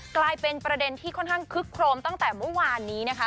กลายเป็นประเด็นที่ค่อนข้างคึกโครมตั้งแต่เมื่อวานนี้นะคะ